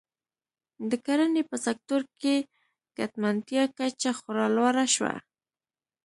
د کرنې په سکتور کې ګټمنتیا کچه خورا لوړه شوه.